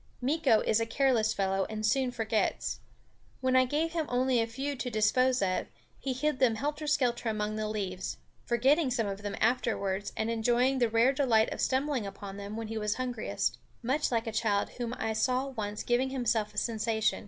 Meeko is a careless fellow and soon forgets. When I gave him only a few to dispose of, he hid them helter skelter among the leaves, forgetting some of them afterwards and enjoying the rare delight of stumbling upon them when he was hungriest much like a child whom I saw once giving himself a sensation.